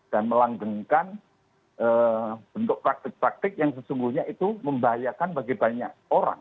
dan melanggengkan bentuk praktik praktik yang sesungguhnya itu membahayakan bagi banyak orang